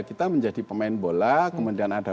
kita menjadi pemain bola kemudian ada